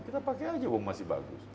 kita pakai aja uang masih bagus